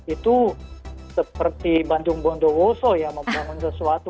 itu seperti bandung bondowoso ya membangun sesuatu